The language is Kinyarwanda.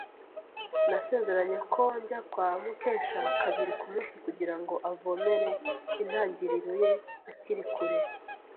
Nasezeranye ko njya kwa Mukesha kabiri kumunsi kugirango avomere intangiriro ye akiri kure.